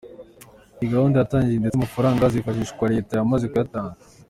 Iyi gahunda yaratangijwe ndetse amafaranga azifashishwa leta yamaze kuyatanga.